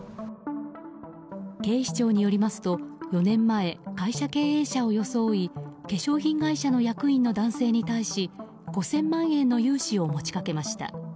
警視庁によりますと４年前、会社経営者を装い化粧品会社の役員の男性に対し５０００万円の融資を持ち掛けました。